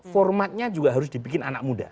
formatnya juga harus dibikin anak muda